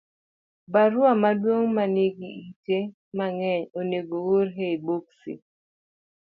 Barua maduong' ma nigi ite mang'eny onego oor e i boksi